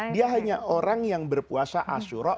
dia hanya orang yang berpuasa ashura